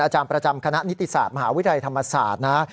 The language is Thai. อาจารย์ประจำคณะนิติศาสตร์มหาวิทยาลัยธรรมศาสตร์นะ